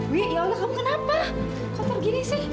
wi ya allah kamu kenapa kotor gini sih